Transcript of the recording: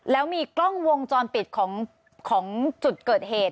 แล้วมีกล้องวงจรปิดของจุดเกิดเหตุ